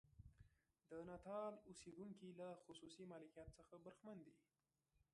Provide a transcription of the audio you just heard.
د ناتال اوسېدونکي له خصوصي مالکیت څخه برخمن دي.